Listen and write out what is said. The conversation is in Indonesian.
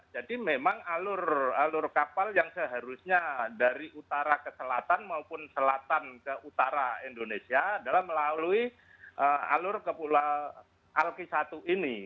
jadi memang alur kapal yang seharusnya dari utara ke selatan maupun selatan ke utara indonesia adalah melalui alur kepulauan alki satu ini